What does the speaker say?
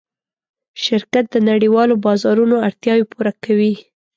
شرکت د نړۍوالو بازارونو اړتیاوې پوره کوي.